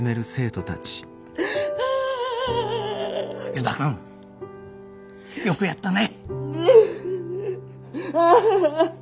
依田君よくやったね。